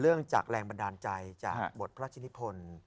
เรื่องจากแรงบันดาลใจจากบทพระชินิพล